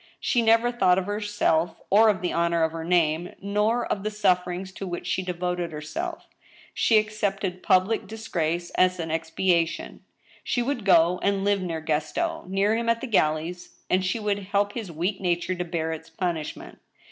She never thought of herself or of the honor of her name, nor of the sufferings to which she devoted herself ! She accepted public dis grace as an expiation. She would go and live near Gaston — ^near him at the galleys— and she would help his weak nature to bear its punishment.